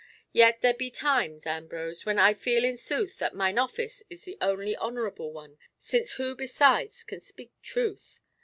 Yet there be times, Ambrose, when I feel in sooth that mine office is the only honourable one, since who besides can speak truth?